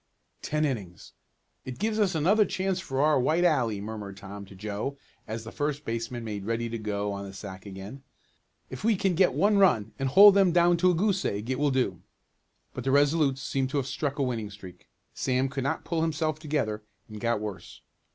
"Ten innings! It gives us another chance for our white alley," murmured Tom to Joe, as the first baseman made ready to go on the sack again. "If we can get one run, and hold them down to a goose egg it will do." But the Resolutes seemed to have struck a winning streak. Sam could not pull himself together, and got worse.